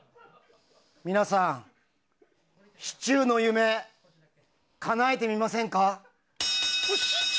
皆さん、シチューの夢かなえてみませんか？